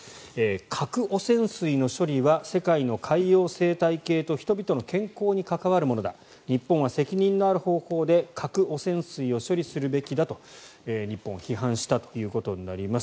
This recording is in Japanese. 核汚染水の処理は世界の海洋生態系と人々の健康に関わるものだ日本は責任のある方法で核汚染水を処理するべきだと日本を批判したということになります。